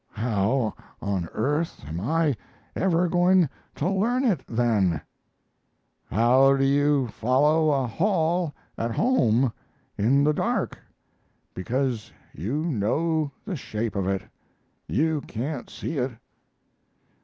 "How on earth am I ever going to learn it, then?" "How do you follow a hall at home in the dark? Because you know the shape of it. You can't see it."